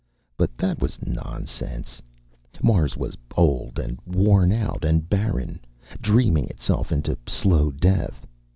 But that was nonsense. Mars was old and worn out and barren, dreaming itself into slow death.